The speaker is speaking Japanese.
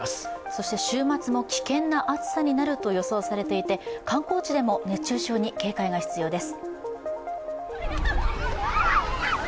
そして週末も危険な暑さになると予想されていて観光地でも熱中症に警戒が必要です。